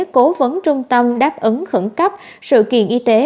cố vấn trung tâm đáp ứng khẩn cấp sự kiện y tế